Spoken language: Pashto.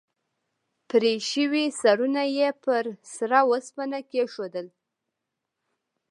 پرې شوي سرونه یې پر سره اوسپنه کېښودل.